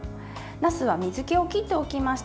なすは、水けを切っておきました。